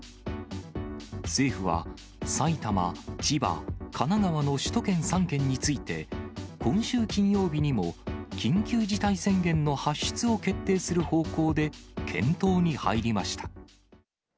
政府は埼玉、千葉、神奈川の首都圏３県について、今週金曜日にも緊急事態宣言の発出を決定する方向で、検討に入りました。